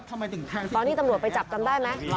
ตอนนี้ตำรวจไปจับจำได้ไหม